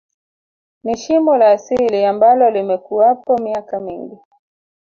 Ni shimo la asili ambalo limekuwapo miaka mingi